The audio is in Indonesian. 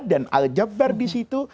dan al jabbar disitu